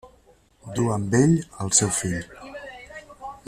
Dur amb ell el seu fill.